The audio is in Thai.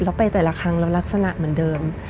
แล้วไปแต่ละครั้งแล้วลักษณะเหมือนเดิม